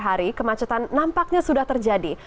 hari kemacetan nampaknya sudah terjadi